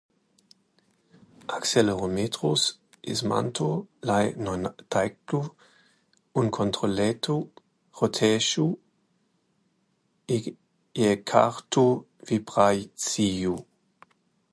Akselerometrus izmanto, lai noteiktu un kontrolētu rotējošu iekārtu vibrāciju.